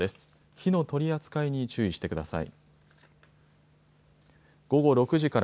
火の取り扱いに注意してください。